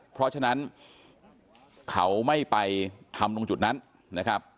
เพราะฉะนั้นเขาไม่ไปทำตรงจุดนั้นนะครับ